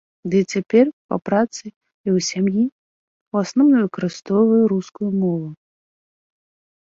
Дый цяпер па працы і ў сям'і ў асноўным выкарыстоўваю рускую мову.